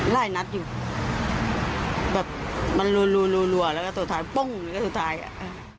หลายนัดอยู่แบบมันรัวแล้วก็สุดท้ายปุ้งแล้วก็สุดท้ายอ่ะ